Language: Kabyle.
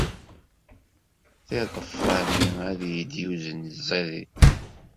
Tiḍeffa-nni ay iyi-d-yuzen ẓidit.